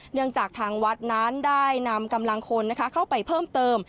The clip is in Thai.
จากทางวัดนั้นได้นำกำลังคนเข้าไปเพิ่มเติม